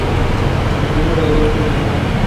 Es el número dos de tres hermanos.